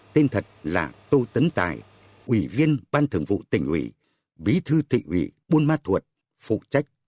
tên thật là tô tấn tài ủy viên ban thường vụ tỉnh ủy bí thư thị ủy buôn ma thuột phụ trách